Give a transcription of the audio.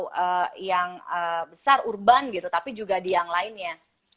itu yang besar urban gitu tapi juga di yang lainnya